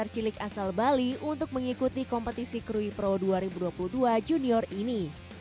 cilik asal bali untuk mengikuti kompetisi krui pro dua ribu dua puluh dua junior ini